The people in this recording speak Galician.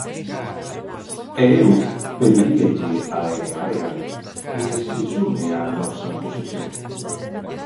E eu pediríalle a En Marea que se sume á nosa posición.